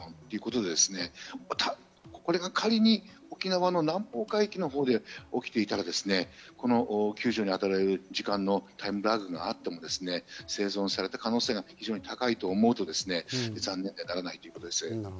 さらに沖縄のほうに行ったら２０度近い海水温ということでこれが仮に沖縄の南方海域のほうで起きていたら、この救助に当てられる時間のタイムラグがあっても生存された可能性が非常に高いと思うと、残念でならないということです。